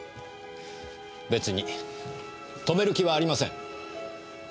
別に止める気はありません。